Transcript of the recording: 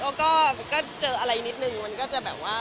ก็เจออะไรนิดนึงมันก็จะแบบว่า